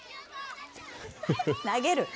投げる。